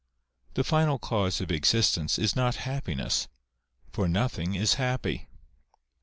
The final cause of existence is not happiness, for nothing is happy.